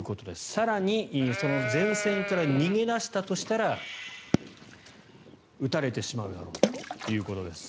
更にその前線から逃げ出したとしたら撃たれてしまうだろうということです。